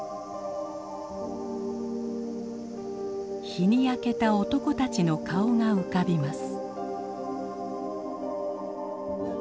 日に焼けた男たちの顔が浮かびます。